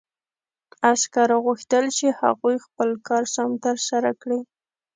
عسکرو غوښتل چې هغوی خپل کار سم ترسره کړي